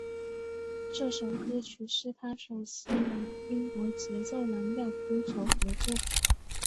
这首歌曲是他首次与英国节奏蓝调歌手合作。